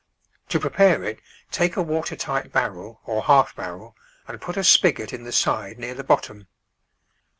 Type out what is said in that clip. To prepare it take a water tight barrel or half barrel and put a spigot in the side near the bottom.